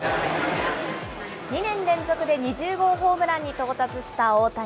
２年連続で２０号ホームランに到達した大谷。